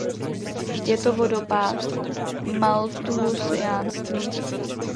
Je to vodopád malthusiánství.